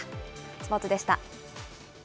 スポーツでした。